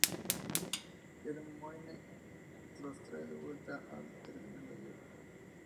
Hermione los trae de vuelta al terminar la guerra.